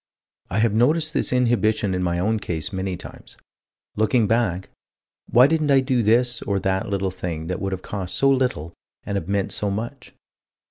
I have noticed this inhibition in my own case many times. Looking back why didn't I do this or that little thing that would have cost so little and have meant so much?